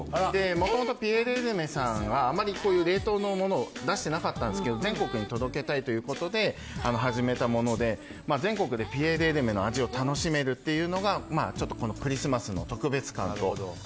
もともとピエール・エルメさんはあまり冷凍のものを出していなかったんですけど全国に届けたいということで始めたもので全国でピエール・エルメ・パリの味を楽しめるというのがクリスマスの特別感が。